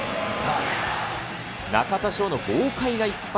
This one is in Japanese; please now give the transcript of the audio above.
中田翔の豪快な一発。